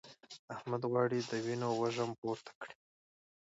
احمد غواړي چې د وينو وږم پورته کړي.